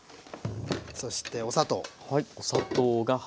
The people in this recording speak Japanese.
そしてお砂糖。